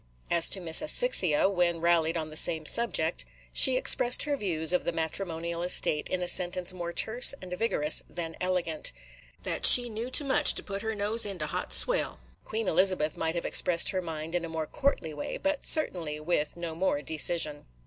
As to Miss Asphyxia, when rallied on the same subject, she expressed her views of the matrimonial estate in a sentence more terse and vigorous than elegant, – that "she knew t' much to put her nose into hot swill." Queen Elizabeth might have expressed her mind in a more courtly way, but certainly with no more decision.